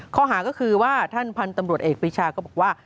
ข้อหาก็คือว่าท่านพันธุ์ตำรวจเอกปีชาก็บอกว่า